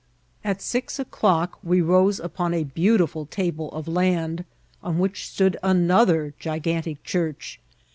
' At six o'clock we rose upon a beautiful table of land, on which stood anodier gigantic drarch.